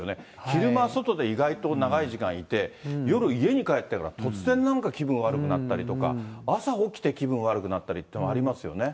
昼間、外で意外と長い時間いて、夜、家に帰ってから、突然なんか気分悪くなったりとか、朝起きて気分悪くなったりとかってありますよね。